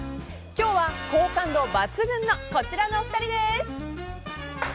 今日は好感度抜群のこちらのお二人です。